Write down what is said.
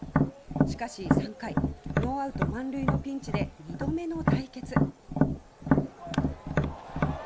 しかし３回ノーアウト満塁のピンチで２度目の対決。